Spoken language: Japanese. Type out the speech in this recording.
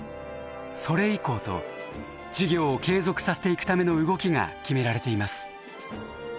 「それ以降」と事業を継続させていくための動きが決められています。